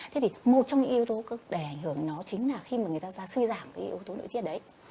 thế thì một trong những yếu tố để ảnh hưởng nó chính là khi mà người ta ra suy giảm cái yếu tố nội tiết đấy